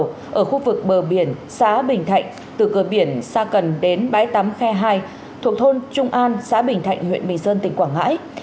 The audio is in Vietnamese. nó có dấu ở khu vực bờ biển xã bình thạnh từ cơ biển sa cần đến bãi tắm khe hai thuộc thôn trung an xã bình thạnh huyện bình sơn tỉnh quảng ngãi